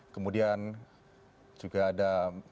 kemudian juga ada